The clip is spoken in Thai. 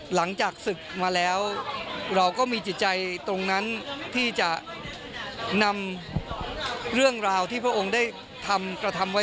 หลังจากศึกมาแล้วเราก็มีจิตใจตรงนั้นที่จะนำเรื่องราวที่พระองค์ได้ทำกระทำไว้